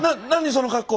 その格好。